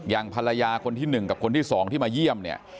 อย่างภรรยาคนที่หนึ่งกับคนที่สองที่มาเยี่ยม